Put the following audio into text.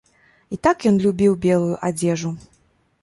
І так ён любіў белую адзежу.